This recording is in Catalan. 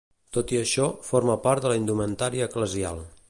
Tot i això, forma part de la indumentària eclesial.